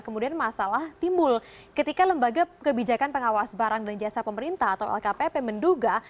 kemudian masalah timbul ketika lembaga kebijakan pengawas barang dan jasa pemerintah atau lkpp menduga